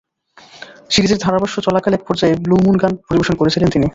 সিরিজের ধারাভাষ্য চলাকালে এক পর্যায়ে ব্লু মুন গান পরিবেশন করেছিলেন তিনি।